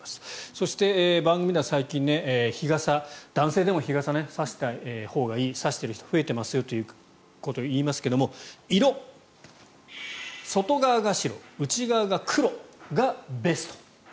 そして、番組では最近、日傘男性でも日傘を差したほうがいい差している人が増えていますと言いますけれども、色外側が白、内側が黒がベスト。